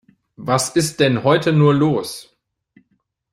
Was ist denn heute nur los?